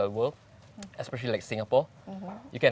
hampir setengah tahun